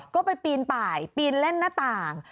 ก็ไปปีนป่ายปีนเล่นหน้าต่าง